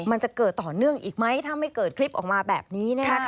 มันจะเกิดต่อเนื่องอีกไหมถ้าไม่เกิดคลิปออกมาแบบนี้